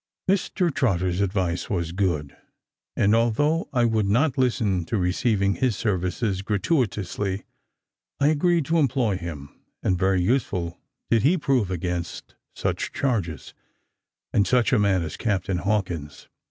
Mr Trotter's advice was good; and although I would not listen to receiving his services gratuitously, I agreed to employ him; and very useful did he prove against such charges, and such a man as Captain Hawkins.